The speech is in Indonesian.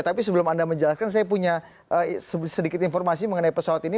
tapi sebelum anda menjelaskan saya punya sedikit informasi mengenai pesawat ini